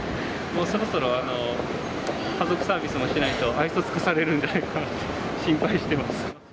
そろそろ家族サービスもしないと、愛想尽かされるんじゃないかなと心配してます。